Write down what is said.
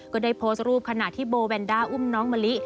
ก็ได้โพสต์รูปขณะที่โบแวนด้าอุ้มน้องมะลิ